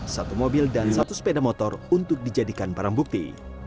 satu mobil dan satu sepeda motor untuk dijadikan barang bukti